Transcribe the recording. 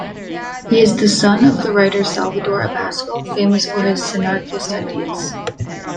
He is the son of the writer Salvador Abascal, famous for his synarchist ideas.